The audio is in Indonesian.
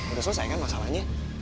udah selesai kan masalahnya